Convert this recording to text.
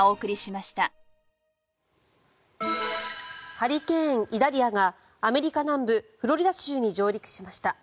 ハリケーン、イダリアがアメリカ南部フロリダ州に上陸しました。